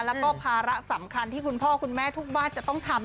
แล้วก็ภาระสำคัญที่คุณพ่อคุณแม่ทุกบ้านจะต้องทำ